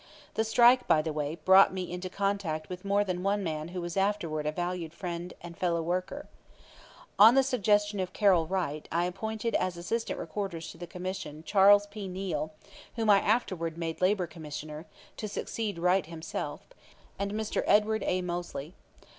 The strike, by the way, brought me into contact with more than one man who was afterward a valued friend and fellow worker. On the suggestion of Carroll Wright I appointed as assistant recorders to the Commission Charles P. Neill, whom I afterward made Labor Commissioner, to succeed Wright himself, and Mr. Edward A. Moseley.